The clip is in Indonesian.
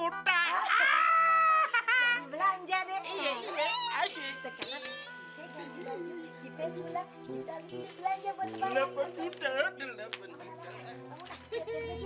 kita pulang kita belanja ayo